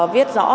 viết rõ ràng